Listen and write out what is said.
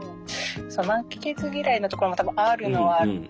負けず嫌いなところも多分あるのはある。